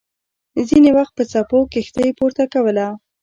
ځینې وخت به څپو کښتۍ پورته کوله.